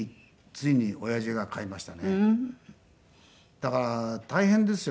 だから大変ですよ